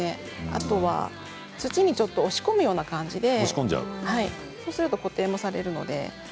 あとはちょっと土に押し込むような感じでそうすると固定もされるので。